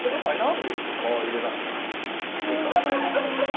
あれ何で皮入れたんですかね。